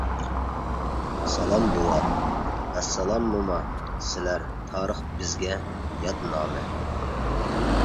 سالام بوۋا، ئەسسالام موما، سىلەر تارىخ بىزگە يادنامە.